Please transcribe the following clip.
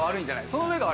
その上が。